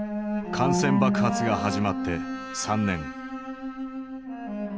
感染爆発が始まって３年。